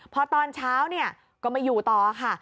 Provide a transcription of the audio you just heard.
พอตอนเช้าก็มาอยู่ต่อค่ะ